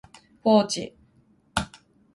ポーチ、